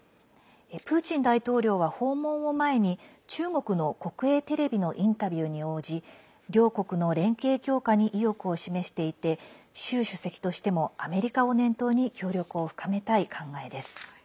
プーチン大統領は訪問を前に中国の国営テレビのインタビューに応じ両国の連携強化に意欲を示していて習主席としてもアメリカを念頭に協力を深めたい考えです。